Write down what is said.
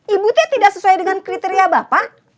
ibu tuh ya tidak sesuai dengan kriteria bapak